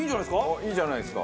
いいじゃないですか。